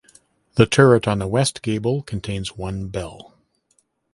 The turret on the west gable contains one bell.